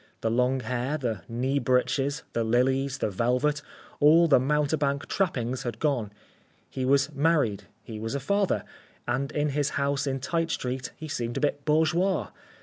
The long hair, the knee breeches, the lilies, the velvet, all the mountebank trappings had gone. He was married, he was a father, and in his house in Tite street he seemed a bit bourgeois.